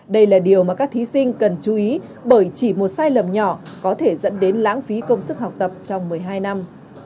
đây là điều mà các thí sinh cần chú ý bởi chỉ một sai lầm nhỏ có thể dẫn đến lãng phí công sức học tập trong một mươi hai năm